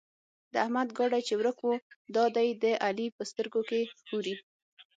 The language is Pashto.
د احمد ګاډی چې ورک وو؛ دا دی د علي په سترګو کې ښوري.